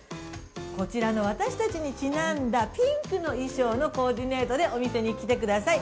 こちらの私たちにちなんだ、ピンクの衣装のコーディネートで、お店に来てください。